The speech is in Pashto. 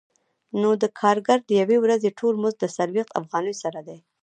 نو د کارګر د یوې ورځې ټول مزد له څلوېښت افغانیو سره دی